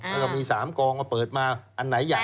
มันก็มี๓กองมันเปิดมาอันไหนใหญ่